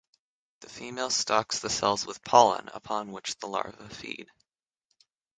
The female stocks the cells with pollen upon which the larvae feed.